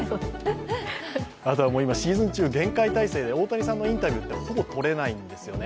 あとはもう今シーズン中厳戒態勢で、大谷さんのインタビューってほぼ取れないんですよね。